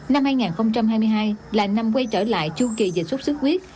năm hai nghìn hai mươi hai là năm quay trở lại chung kỳ dịch sốt xuất huyết